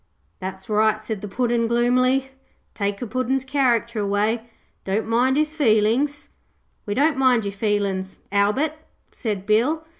'That's right,' said the Puddin', gloomily. 'Take a Puddin's character away. Don't mind his feelings.' 'We don't mind your feelin's, Albert,' said Bill.